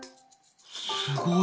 すごい。